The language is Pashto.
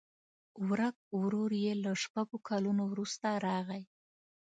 ورک ورور یې له شپږو کلونو وروسته راغی.